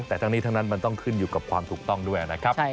แต่ทั้งนี้ทั้งนั้นมันต้องขึ้นอยู่กับความถูกต้องด้วยนะครับ